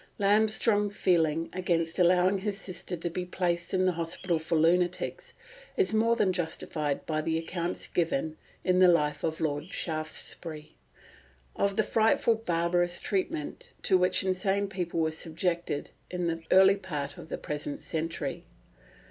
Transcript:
Lamb's strong feeling against allowing his sister to be placed in an hospital for lunatics is more than justified by the accounts given, in the Life of Lord Shaftesbury, of the frightfully barbarous treatment to which insane people were subjected in the early part of the present century.